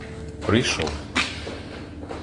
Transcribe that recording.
прийшов.